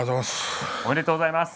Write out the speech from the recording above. ありがとうございます。